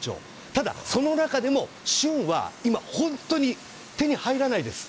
ただ、その中でも旬は今、本当に手に入らないです。